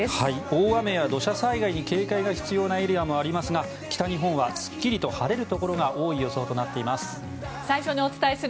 大雨や土砂災害に警戒が必要なエリアもありますが北日本はすっきりと晴れるところが多い予想となっています。